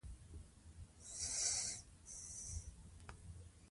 دوی به په راتلونکي کې د هېواد خدمت وکړي.